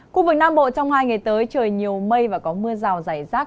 khu vực nam bộ trong hai ngày tới trời nhiều mây và có mưa rào rải rải rải